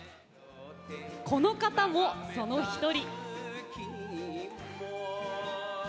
この方もその一人。